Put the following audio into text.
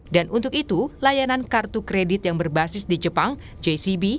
dan untuk itu layanan kartu kredit yang berbasis di jepang jcb